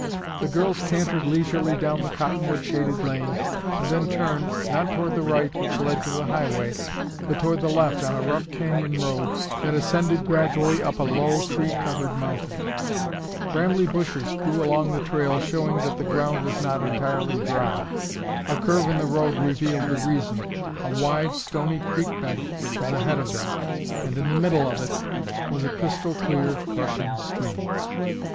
The girls cantered leisurely down the cottonwood shaded lane and then turned, not toward the right which led to the highway, but toward the left on a rough canyon road that ascended gradually up a low tree covered mountain. Brambly bushes grew along the trail showing that the ground was not entirely dry. A curve in the road revealed the reason. A wide, stony creek bed was ahead of them, and, in the middle of it, was a crystal clear, rushing stream.